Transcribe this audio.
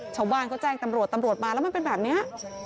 ชาวบ้านเขาแจ้งตำรวจตำรวจมาแล้วมันเป็นแบบนี้